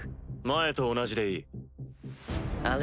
前と同じでいい。